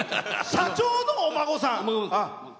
社長のお孫さん。